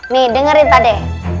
nih dengerin pak de